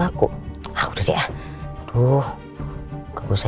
aku bisa permanling samaoca evang helar